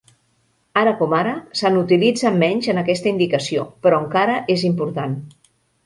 Ara com ara, se n'utilitza menys en aquesta indicació, però encara és important.